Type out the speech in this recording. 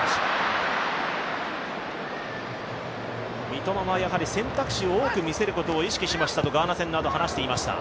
三笘は選択肢を多く見せることを意識したとガーナ戦で話していました。